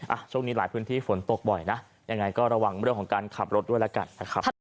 ช่วงนี้หลายพื้นที่ฝนตกบ่อยนะยังไงก็ระวังเรื่องของการขับรถด้วยแล้วกันนะครับ